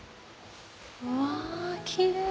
うわキレイ。